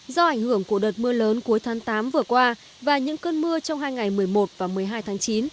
do ảnh hưởng của đợt mưa lớn cuối tháng tám vừa qua và những cơn mưa trong hai ngày một mươi một và một mươi hai tháng chín